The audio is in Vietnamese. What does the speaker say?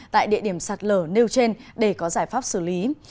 tại địa điểm sạt lở nêu trên để có giải pháp xử lý